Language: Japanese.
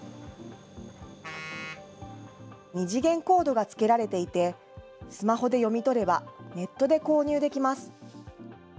２次元コードがつけられていて、スマホで読み取れば、ネットで購入できます。